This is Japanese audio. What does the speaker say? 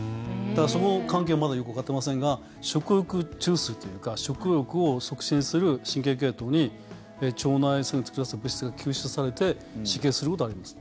その関係はまだよくわかっていませんが食欲中枢というか食欲を促進する神経系統に物質が吸収されて刺激することもあります。